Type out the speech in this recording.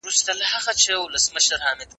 که موږ هڅه وکړو نو بریالي به سو.